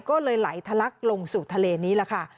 ก็เลยไหลทะลักลงสู่ทะเลนี้แหละค่ะ